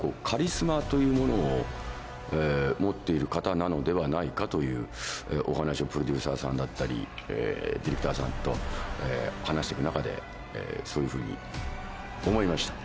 なのではないかというお話をプロデューサーさんだったりディレクターさんと話して行く中でそういうふうに思いました。